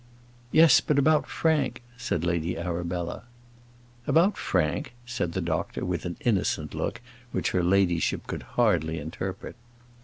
"Yes; but about Frank," said Lady Arabella. "About Frank!" said the doctor, with an innocent look, which her ladyship could hardly interpret.